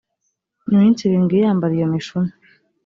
iminsi irindwi yambara iyo mishumi